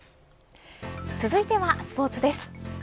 続いてはスポーツです。